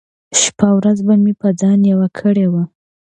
شپه ورځ به مې په ځان يوه کړې وه .